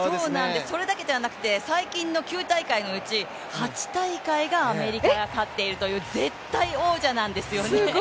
それだけではなくて最近の９大会のうち８大会がアメリカが勝っているという絶対王者なんですよね。